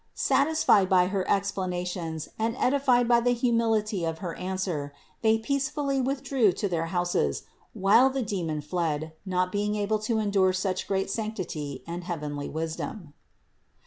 Satisfied by her explanations and edified by the humility of her answer, they peacefully withdrew to their houses, while the demon fled, not being able to endure such great sanctity and heavenly wisdom.